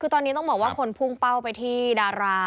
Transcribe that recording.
คือตอนนี้ต้องบอกว่าคนพุ่งเป้าไปที่ดารา